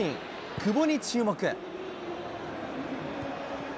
久保に注目。